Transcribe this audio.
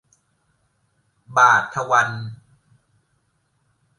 บาทวัน